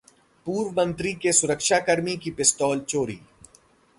पूर्व मंत्री के सुरक्षाकर्मी की पिस्तौल चोरी